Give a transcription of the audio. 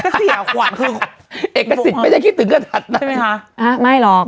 ก็เสียขวัญคือเอกสิทธิ์ไม่ได้คิดถึงขนาดนั้นใช่ไหมคะอ่ะไม่หรอก